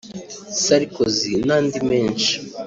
"Sarkozy" n’andi menshi